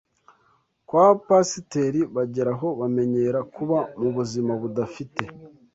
kwa Pasiteri bageraho bamenyera kuba mu buzima budafite